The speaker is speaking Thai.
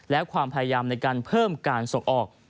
และความพยายามในการเพิ่มการส่งออก